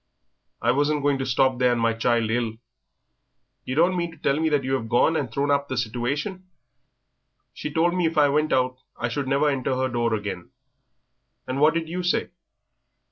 "I wasn't going to stop there and my child ill." "Yer don't mean to tell me that yer 'ave gone and thrown hup the situation?" "She told me if I went out, I should never enter her door again." "And what did you say?"